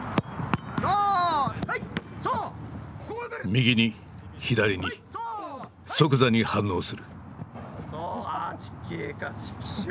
右に左に即座に反応する。